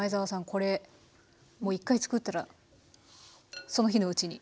これもう１回作ったらその日のうちに。